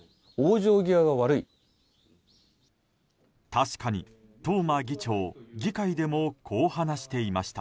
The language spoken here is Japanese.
確かに、東間議長議会でもこう話していました。